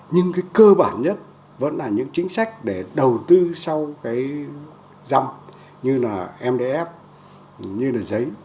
nhưng cái cơ bản nhất vẫn là những chính sách để đầu tư sau cái răm như là mdf như là giấy